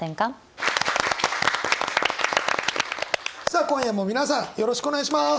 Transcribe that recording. さあ今夜も皆さんよろしくお願いします。